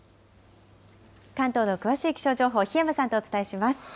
関東の詳しい気象情報、檜山さんとお伝えします。